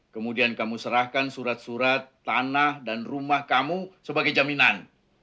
kemudian kamu serahkan surat surat tanah dan rumah kamu sebagai jaminan